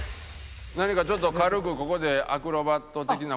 何かちょっと軽くここでアクロバット的な事が。